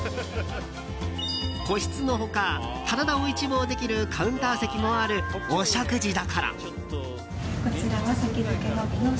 個室の他、棚田を一望できるカウンター席もある、お食事処。